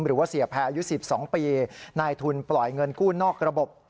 หรือว่าเสียแพรอายุ๑๒ปีนายทุนปล่อยเงินกู้นอกระบบ